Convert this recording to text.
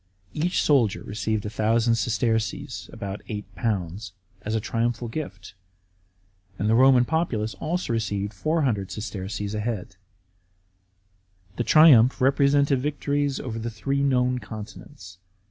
Each soldier received 1000 sesterces (about £8) as a triumphal gift; and the Roman populace also received 400 sesterces a head. The triumph represented victories over the three known continents.